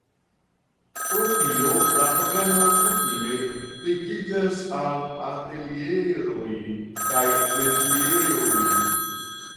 Pro tio la programo kutime ligiĝas al atelieroj kaj metiejoj.